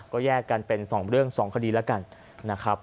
ก็แยกกันเป็น๒เรื่อง๒คดีแล้วกันนะครับ